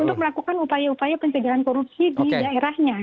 untuk melakukan upaya upaya pencegahan korupsi di daerahnya